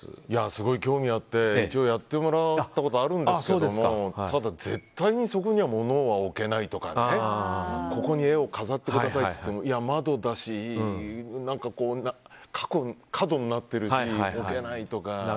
すごい興味あって一応やってもらったことあるんですけどもただ、絶対にそこには物を置けないとかここに絵を飾ってくださいと言われてもいや、窓だし、角になってるし置けないとか。